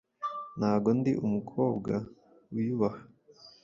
Ntabwo ndi umukobwa wiyubaha